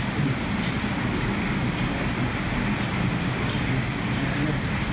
ต่อถาม